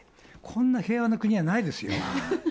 こんな平和な国はないですよ。